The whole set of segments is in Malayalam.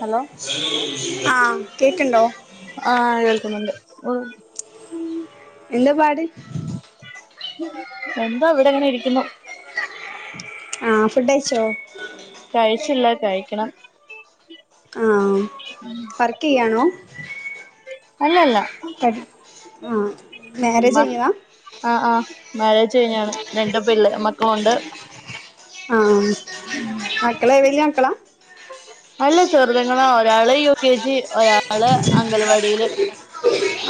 ഹലോ ആഹ് കേക്ക്ണ്ടോ [unintelligible] ആഹ് കേൾക്കുന്നുണ്ട് അഹ് എന്താ പാട് എന്താ ഇവിടെ അങ്ങനെ ഇരിക്കുന്നു ആഹ് ഫുഡയ്ച്ചോ കഴിച്ചില്ല കഴിക്കണം ആഹ് വർക്ക് ചെയ്യാണോ അല്ലല്ല ക ആഹ് മാരേജ് മ കയ്ഞതാ ആഹ് അഹ് മാരേജ് കഴിഞ്ഞതാണ് രണ്ടു പിള്ളേരും മക്കളുണ്ട് ആഹ് മക്കളെ വല്യ മക്കളാ അല്ല ചെറുതെങ്ങളാ ഒരാള് യു കെ ജി ഒരാള് അങ്കൽവാടീല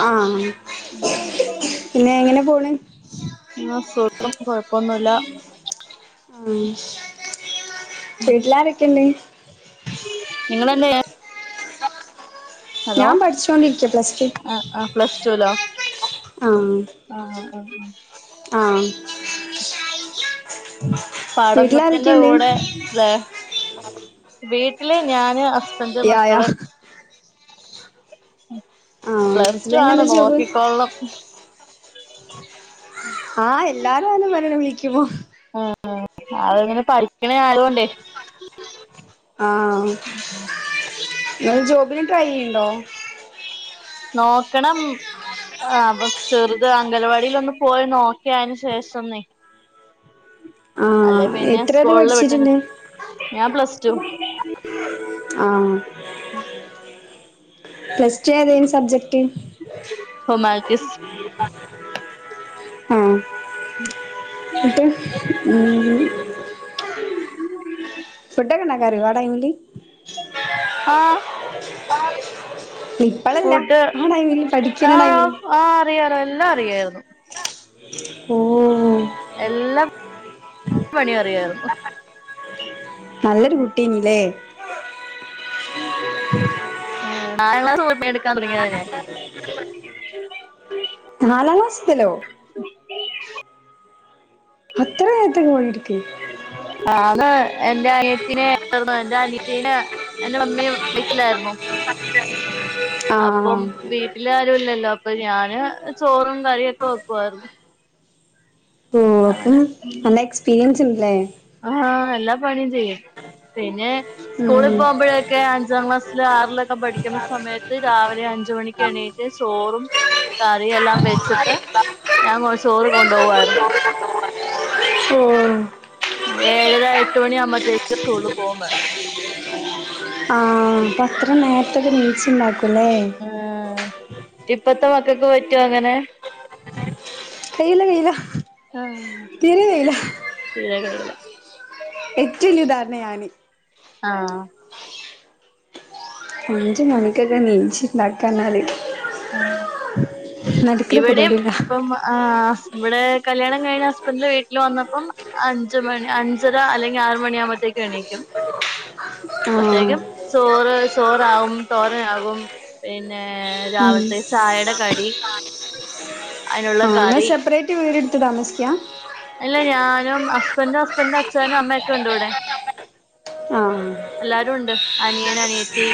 ആഹ് എൽ കെ ജി പിന്നെ എങ്ങനെ പോണ് [unintelligible] കൊഴപ്പൊന്നുല്ല ആഹ് വീട്ടിലാരക്കെയിണ്ട് നിങ്ങളെന്നയ്യാ ഹലോ ഞാൻ പഠിച്ചോണ്ടിരിക്ക പ്ലസ് ടു ആഹ് ആഹ് പ്ലസ് ടുവിലോ ആഹ് ആഹ ആഹ് ആഹ് ആഹ് ആഹ് പഠനത്തിന്റെ വീട്ടിലാരൊക്കെണ്ട് കൂടെ വേ വീട്ടില് ഞാന് ഹസ്ബന്റ് യാ യാ മക്കള് ആഹ് പ്ലസ് ടു ഹസ്ബൻഡിന് ആണ് നോക്കിക്കൊൾണം [inaudible] ഹാ എല്ലാരും ആനും വരാന് വിളിക്കുമോ ഉം അവരങ്ങന പഠിക്കണ ആയോണ്ടേ ആഹ് ന് ജോബിന് ട്രൈ ചെയ്യണുണ്ടോ നോക്കണം ആഹ് അപ്പം ചെറുത് അംഗനവാടീലൊന്ന് പോയി നോക്കിയ അയിന് ശേഷം നി അല്ലേ ആഹ് പിന്നെ എത്ര വരെ സ്കൂളില് വിട്ട്ന് പഠിച്ചിട്ടുണ്ട് ഞാൻ പ്ലസ് ടു ആഹ് [inaudible] പ്ലസ് ടു ഏതായിരുന്നു സബ്ജക്റ്റ് ഹ്യുമാനിറ്റീസ് ആഹ് നിട്ട് ഉം [inaudible] ക്ക ഒണ്ടാക്കാനറിയോ വാടായെങ്കി ആഹ് ഇപ്പളല്ല ഫുഡ് ആ ടൈമില് പഠിക്ക്ണ ടൈമില് ആഹ് ആഹ് അറിയാലോ എല്ലാം അറിയായിരുന്നു ഓഹ് എല്ലാം പണി അറിയായിരുന്നു നല്ലൊരു കുട്ടിയന്ന്ല്ലേ ആഹ് നാലാം ക്ലാസ് [unintelligible] ഞാൻ [unintelligible] നാലാം ക്ലാസ്സിലോ [unintelligible] അത്ര ഏറ്റ് ഫോണെടുക്ക് ആന്ന് എന്റെ അനിയത്തിനെ റ്ന്ന് എന്റെ അനയത്തീനെ എന്റെ മമ്മിയ വീട്ടിലായിരുന്നു അപ്പം ആഹ് വീ ട്ടിലാരുല്ലല്ലോ അപ്പൊ ഞാന് ചോറും കറിയൊക്കെ വെക്കുവായിരുന്നു ഓ അപ്പം അങ്ങനെ നല്ല എക്സ്പീരിയൻസ് ഉണ്ട്ല്ലേ ആഹ് എല്ലാ പണിയും ചെയ്യും പിന്നെ ഉം സ്കൂളിൽ പോകുമ്പോഴ ക്കെ അഞ്ചാം ക്ലാസ്സില് ആറിലൊക്ക പഠിക്കുന്ന സമയത്ത് രാവിലെ അഞ്ചു മണിക്ക് എണീറ്റ് ചോറും കറിയെല്ലാം വെച്ചിട്ട് ഞാൻ കുറേ ചോറ് കൊണ്ടുപോവുമാരുന്നു ഓഹ് ഏഴര എട്ട് മണി ആവുമ്പോഴത്തേക്ക് സ്കൂളിൽ പോവേം വേണം ആഹ് അപ്പ അത്ര നേരത്തൊക്കെ എണീച്ചുണ്ടാക്കുല്ലേ ആഹ് ഇപ്പഴ്ത്തെ മക്കക്ക് പറ്റോ അങ്ങനെ കയ്യൂല കയ്യൂല ആഹ് തീരെ കയ്യൂല ഇല്ല ഇല്ല ഇല്ലയില്ല ഏറ്റോം വലിയ ഉദാഹരണാ ഞാന് ആഹ് അഞ്ചു മണിക്കൊക്ക ണീച്ച് നടക്കറഞ്ഞാല് ആഹ് നടക്കണ പരിപാടിയല്ല ആഹ് ഇവിടെ കല്യാണം കഴിഞ്ഞ് ഹസ്ബന്റിന്റെ വീട്ടില് വന്നപ്പം അഞ്ച് മണി അഞ്ച് ഞ്ചര അല്ലെങ്കി ആറ് മണിയാകുമ്പൊഴത്തേക്ക് എണീക്കും [inaudible] ആഹ് പ്പഴ്ത്തേക്കും ചോറ് ചോറാവും തോരനാകും പിന്നെ ഉം രാവിൽത്തെ ചായയുടെ കടി അതിനുള്ള ആങ്ങള് കറി സെപ്പറേറ്റ് വീടുട്ത്ത് താമസിക്കാ അല്ല ഞാനും ഹസ്ബന്റും ഹസ്ബന്റെ അച്ഛനും അമ്മയൊക്കെ ഉണ്ട് ഇവിടെ ആഹ് എല്ലാരു ഉണ്ട് അനിയനനയത്തി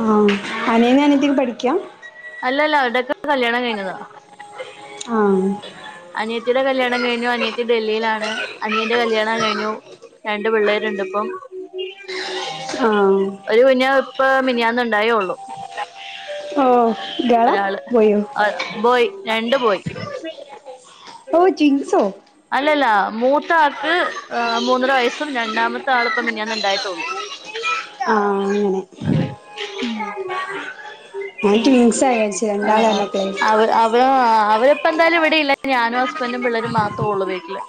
ആഹ് അങ്ങനെ അനിയനു അനിയത്തീം പഠിക്കാ അല്ലല്ല അവര്ടോക്കെ കല്യാണം കഴിഞ്ഞതാ ആഹ് അനിയത്തിയുടെ കല്യാണം കഴിഞ്ഞു അനിയത്തി ഡൽഹിയിലാണ് അനിയന്റെ കല്യാണം കഴിഞ്ഞു രണ്ട് പിള്ളേരുണ്ട്പ്പം ആഹ് ഒരു കുഞ്ഞാവ ഇപ്പൊ മിനിഞ്ഞാന്നുണ്ടായേള്ളൂ ഓഹ് ഗേളാ ഒരാള് ബോയോ ബോയ് രണ്ട് ബോയ് ഓ ട്വിൻസോ അല്ലല്ല മൂത്ത ആൾക്ക് മൂന്നര വയസ്സും രണ്ടാമത്തെ ആളിപ്പ മിൻഞ്ഞാന്ന്ണ്ടായിട്ടേള്ളൂ [inaudible] അങ്ങനെ ഉം ഞാൻ ട്വിൻസ് ആയാച്ച് രണ്ടാളർഞ്ഞപ്പളെയ് അവരിപ്പന്തായാലും ഇവിടെ ഇല്ല ഞാനും ഹസ്ബൻറും പിള്ളേരും മാത്രേ ഉള്ളൂ വീട്ടില്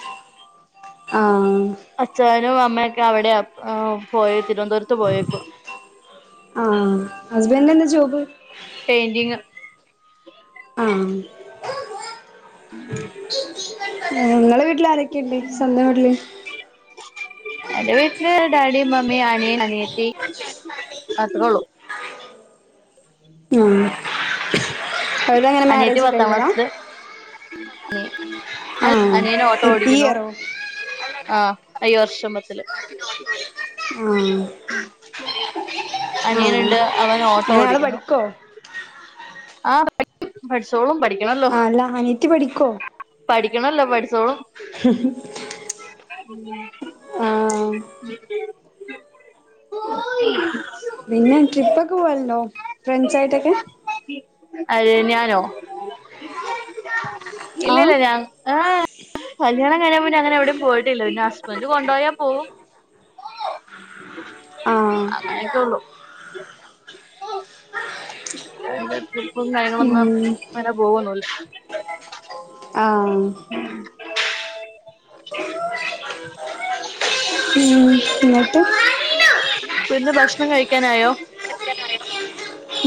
ആഹ് അച്ചായനും അമ്മയൊക്കെ അവിടെയാ പോയേ തിരുവനന്തപുരത്ത് പോയേക്കുവാ ആഹ് ഹസ്ബന്റിനെന്താ ജോബ് പെയിന്റിങ് ആഹ് ങ്ങളെ വീട്ടിലാരൊക്കെയ്ണ്ട് സ്വന്തം വീട്ടില് എന്റെ വീട്ടില് ഡാഡി മമ്മി അനിയൻ അനിയത്തി അത്രേള്ളു ആഹ് അവര്തെങ്ങനെ മാരേജ് കഴിഞ്ഞതാ [unintelligible] അ ആഹ് അനിയനോട്ടോ ഈ ഓടിക്കുന്നു ഇയറോ ആഹ് അയ്യർഷമത്തില് ആഹ് ആഹ് അനിയനുണ്ട് അവൻ ഓട്ടോ എങ്ങനേ ആള് പഠിക്കോ ആ പഠിക്കും പഠിച്ചോളും പഠി ആല്ലാ അനിയത്തി പഠിക്കോ പഠിക്കണല്ലോ പഠിച്ചോളും ഉം ആഹ് പിന്നെ ട്രിപ്പൊക്കെ പോവല്ണ്ടോ ഫ്രണ്ട്സായിട്ടൊക്കെ ആര് ഞാനോ ഇല്ല ആഹ് ഇല്ല ഞാൻ ആഹ് കല്യാണം കഴിഞ്ഞേ പിന്നങ്ങനെവെടേം പോയിട്ടില്ല പിന്നെ ഹസ്ബന്റ് കൊണ്ടോയാ പോകും ആഹ് അങ്ങനെക്കൊള്ളു അങ്ങൻത്തെ ട്രിപ്പും കാര്യങ്ങളൊന്നും ഉം അങ്ങനെ പോവൊന്നുല്ല ആഹ് ഉം എന്നിട്ട് പിന്നെ ഭക്ഷണം കഴിക്കാനായോ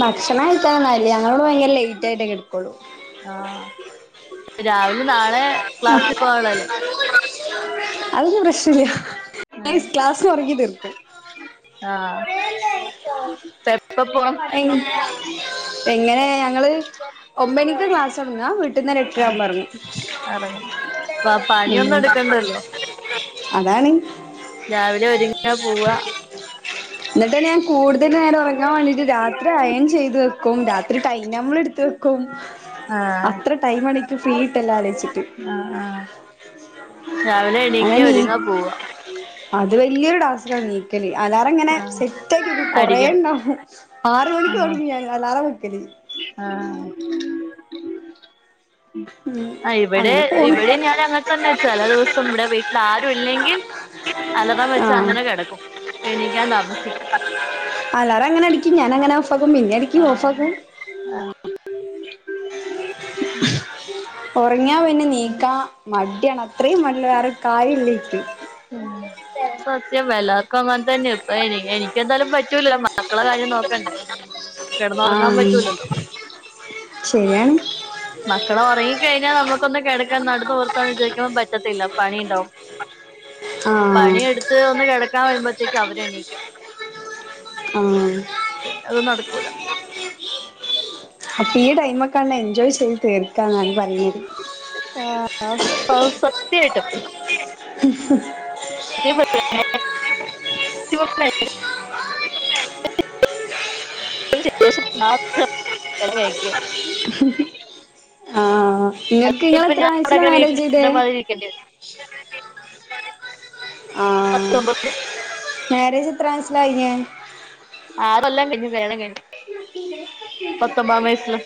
ഭക്ഷണം കഴിക്കാനൊന്നായില്ല ഞങ്ങളിവിടെ ഭയങ്കര ലേയ്റ്റ് ആയിട്ടേ കിടക്കുള്ളൂ ആഹ് രാവിലെ നാളെ ക്ലാസ്സിൽ പോവാനുള്ളല്ലേ അതൊന്നും പ്രശ്നില്ല ക്ലാസ് ഉറങ്ങി തീർക്കും ആഹ് എപ്പം പോവും എങ്ങനെ ഞങ്ങള് ഒമ്പണിക്ക് ക്ലാസ് തൊടങ്ങാ വീട്ട്ന്ന് ഒര് എട്ടര ആകുമ്പം ഇറങ്ങും എറങ്ങും പ ഉം പണിയൊന്നും എടുക്കണ്ടല്ലോ അതാണ് രാവിലെ ഒരുങ്ങിയാ പോവാ ഇന്നിട്ട്ന്നെ ഞാൻ കൂടുതല് നേരം ഉറങ്ങാൻ വേണ്ടിട്ട് രാത്രി അയൺ ചെയ്തു വെക്കും രാത്രി ടൈം ടേബിൾ ഇടുത്ത് വെക്കും ആഹ് അത്ര ടൈം എണിക്ക് ഫ്രീയിട്ടല്ലെ ആലൊയ്ച്ചിട്ട് ആഹ് ആഹ് രാവിലെ അങ്ങനെ എണീക്ക നീ ഒരുങ്ങ പോവാ അത് വല്യൊരു ടാസ്ക്ണ് എങ്ങിക്കല് അലാറം ഇങ്ങനെ ആഹ് സെറ്റ് ആക്കി വെക്കും കൊറെ അടിക്കും ഉണ്ടാവും ആറ് മണിക്ക് ആഹ് തൊടങ്ങും ഞാൻ അലാറം വെക്കല് ആഹ് ഉം ആഹ് ഇവിടെ ഇവിടെ ഞാൻ അങ്ങനെ തന്നെ വെച്ച ചെല ദിവസം ഇവിടെ വീട്ടിൽ ആരും ഇല്ലെങ്കിൽ അലറാം വെച്ചാ ആഹ് അങ്ങനെ കിടക്കും എണീക്കാൻ താമസിക്കും അലാറം അങ്ങനെ അടിക്കും ഞാൻ അങ്ങനെ ഓഫാകും പിന്നേം അടി ആഹ് ആഹ് ഉറങ്ങിയാ പിന്നെ നീക്കാ മടിയാണ് അത്രയും മടിള്ള വേറെ ഒര് കാര്യം ഇല്ല ഇനിക്ക് [unintelligible] സത്യം എല്ലാർക്കും അങ്ങനെ തന്നെയെ ഇപ്പൊ എനി എനിക്ക് എന്തായാലും പറ്റൂല മക്കളെ കാര്യം നോക്കണ്ടേ കിടന്നുറങ്ങാൻ ആഹ് പറ്റൂലല്ലോ ശരിയാണ് മക്കള് ഉറങ്ങിക്കഴിഞ്ഞാൽ നമുക്കൊന്നും കിടക്കാൻ നടു നിവർത്താന്ന് വിചാരിക്കുമ്പോ പറ്റത്തില്ല പണിണ്ടാവും ആഹ് പണിയെടുത്ത് ഒന്ന് കിടക്കാൻ വരുമ്പോത്തേക്കും അവര് എണീക്കും ആഹ് പിന്നെ അതും നടക്കൂല അപ്പ ഈ ടൈമൊക്കൊന്ന് എൻജോയ് ചെയ്ത് തീർക്കാ എന്നാണ് പറിണത് ആഹ് ആഹ് അത് സത്യായിട്ടും [unintelligible] [unintelligible] എൻജോയ് ചെയ്തതിന് ശേഷം മാത്രം കല്യാണം കഴിക്ക ആഹ് ഇങ്ങക്ക് ഇങ്ങള് ഇപ്പൊ ഞാൻ എത്രാം വയസിലാ ഇവിടെക്കെ മാര്യേജ് ചെയ്തേ വീട്ടിലിരിക്കണ മാതിരി ഇരിക്കേണ്ടി വരും ആഹ് പത്തൊമ്പത് മാരേജ് എത്രാം വയസ്സിലാ കഴിഞ്ഞെ ആറ് കൊല്ലം കഴിഞ്ഞു കല്യാണം കഴിഞ്ഞു പത്തൊമ്പാ വയസ്സില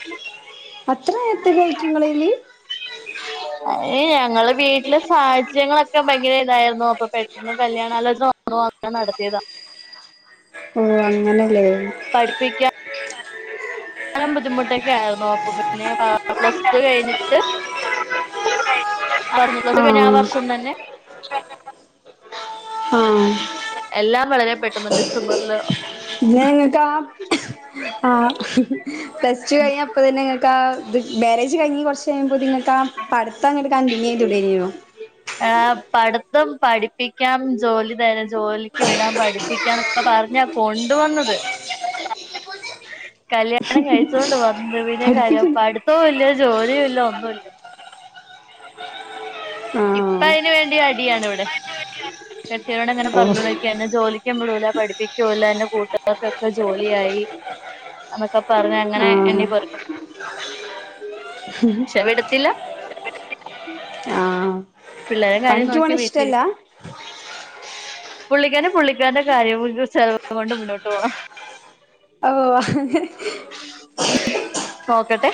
അത്ര നേരത്ത് കഴിക്കും ങ്ങളേല് അയ് ഞങ്ങളെ വീട്ടിലെ സാഹചര്യങ്ങളൊക്കെ ഭയങ്കര ഇതായിരുന്നു അപ്പൊ പെട്ടെന്ന് കല്യാണലോചന വന്നു അങ്ങനെ നടത്തിയത ഓ അങ്ങനെല്ലേ പഠിപ്പിക്കാൻ ക്കാനും ബുദ്ധിമുട്ടൊക്കെ ആയിരുന്നു അപ്പൊ പിന്നെ പ്ലസ് ടു കഴിഞ്ഞിട്ട് [unintelligible] ക്ലാസ് കഴിഞ്ഞ ആ ആഹ് വർഷം തന്നെ ആഹ് എല്ലാം വളരെ പെട്ടെന്ന് ഡിസംബറില് പിന്നെ ഇങ്ങക്ക് ആ ആ പ്ലസ് ടു കഴിഞ്ഞ അപ്പ തന്നെ ഇങ്ങക്ക് ആ ബാരേജ് കഴിഞ്ഞ് കൊറച് ചെയ്യുമ്പോത്തിന് നിങ്ങൾക്ക് ആ പഠിത്തം അങ്ങണ്ട് കണ്ടിന്യൂ ചെയ്തൂടെയ്നോ ആ പഠിത്തം പഠിപ്പിക്കാം ജോലി തര ജോലിക്ക് വിടാം പഠിപ്പിക്കാൻ ഒക്ക പറഞ്ഞ കൊണ്ടുവന്നത് [unintelligible] കല്ല്യാണം കഴിച്ചൊണ്ട് വന്ന് പിന്നെ പഠിപ്പിക്ക പഠിത്തവും ഇല്ല ജോലിയുമില്ല ഒന്നു ല്ല ഇപ്പ ആഹ് അയ്ന് വേണ്ടി അടിയാണ് വിടെ. [unintelligible] കെട്ടിയവനോട് അങ്ങനെ പറഞ്ഞ് ഓഹ് നോക്കി എന്നെ ജോലിക്കും വിടൂല പഠിപ്പിക്കുല്ല എന്റെ കൂട്ടുകർക്കൊക്കെ ജോലിയായി. അന്നൊക്കെ പറഞ് അങ്ങനെ എണ്ണി പെറ്ക്കും ഉം ഉം വിടത്തില്ല ആഹ് പിള്ളേര കാര്യം പണിക്ക് പോണ നോക്കി ഇഷ്ടല്ല വീട്ടിലിരിക്ക പുള്ളിക്കാരന് പുള്ളിക്കാരന്റെ കാര്യം കൊണ്ടും ചിലവ് കൊണ്ടും മുന്നോട്ട് പോണം ഓ അങ്ങനെ നോക്കട്ടെ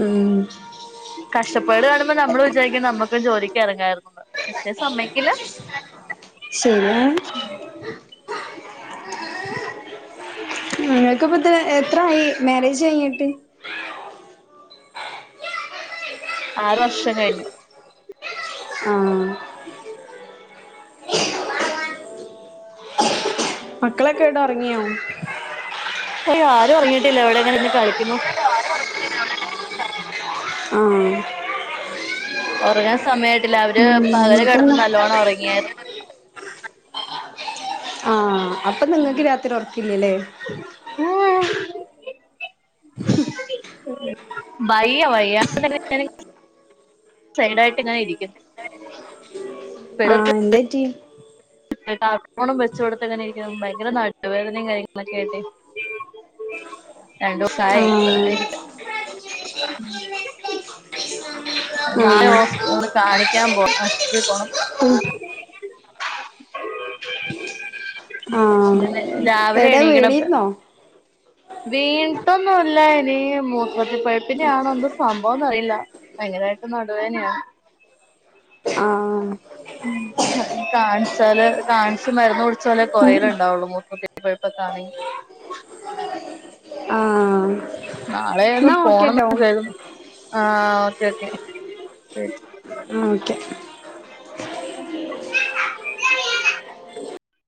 ആഹ് കഷ്ടപ്പാട് കാണുമ്പോ നമ്മൾ വിചാരിക്കും നമ്മുക്കും ജോലിക്ക് ഇറങ്ങയിരുന്നുന്ന് പക്ഷെ സമ്മയിക്കില്ല ശരിയാണ് നിനക്കിപ്പ ഇത്ര എത്രായി മാരേജ് കഴിഞ്ഞിട്ട് ആറ് വർഷം കഴിഞ്ഞു ആഹ് മക്കളൊക്കെ എവിടെ ഒർങ്ങിയോ? അവര് ആരും ഉറങ്ങിട്ടില്ല ഇവിടെ ങ്ങനെന്ന് കളിക്കുന്നു ആഹ് ഒർങ്ങാൻ സമയായിട്ടില്ല, അവര് ഉം പകല് കിടന്ന് എന്നിട്ടെന്താ നല്ലോണം ഉറങ്ങിയരുന്നു ആ അപ്പൊ നിങ്ങക്ക് രാത്രി ഉറക്കില്ലല്ലേ വയ്യ വയ്യ [unintelligible] സൈഡ് ആയിട്ട് ഇങ്ങനെ ഇരിക്കുന്നു പെടും ആ എന്തറ്റി ട് കാർട്ടുണും വെച്ച് കൊടത്തങ്ങനെ ഇരിക്കണം ഭയങ്കര നടുവേദനയും കാര്യങ്ങളൊക്കെ ആയിട്ടെ രണ്ടു ദിവസം ആയി ആഹ് ഇപ്പരിക്ക [unintelligible] നാളെ ആഹ് ഹോസ് കാണിക്കാൻ പോണം ആശുപത്രിയിൽ പോണം ആഹ് ഇങ്ങനെ രാവിലെ എവിടേം വീണീര്ന്നോ വീൺട്ടൊന്നുംല്ല ഇനി മൂത്രത്തി പഴുപ്പിന്റെയാണൊന്നും സംഭവം ന്നറിയില്ല ഭയങ്കരമായിട്ട് നടുവേദനെയാ ആഹ് കാണിച്ചാല് കാണിച്ച് മരുന്ന് കുടിച്ചാലേ കൊറയല് ഉണ്ടാവുള്ളൂ മൂത്തത്തി പഴുപ്പ് ഒക്കെ ആണങ്കിൽ ആഹ് നാളെ ഒന്നു എന്നാ ഓക്കേട്ടോ പോണംകേൾകു രേ ആ ഓക്കെ ഓക്കെ ശരി ആ ഓക്കെ [unintelligible] [inaudible]